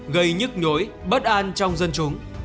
gây nhức nhối bất an trong dân chúng